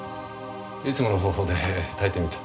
いつもの方法で炊いてみた。